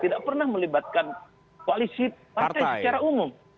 tidak pernah melibatkan koalisi partai secara umum